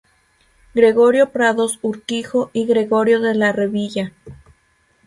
Gregorio Prados Urquijo y Gregorio de la Revilla.